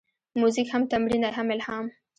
موزیک هم تمرین دی، هم الهام.